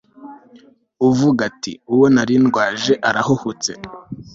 uvuga ati «uwo nari ndwaje arahuhutse